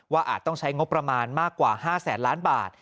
อาจต้องใช้งบประมาณมากกว่า๕แสนล้านบาท